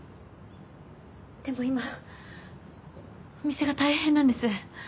でも今お店が大変なんです。